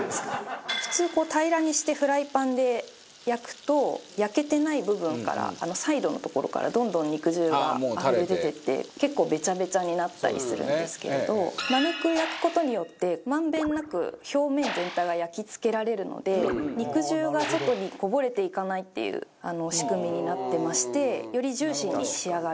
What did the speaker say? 普通こう平らにしてフライパンで焼くと焼けてない部分からサイドのところからどんどん肉汁があふれ出ていって結構ベチャベチャになったりするんですけれど丸く焼く事によって満遍なく表面全体が焼き付けられるので肉汁が外にこぼれていかないっていう仕組みになってましてよりジューシーに仕上がる。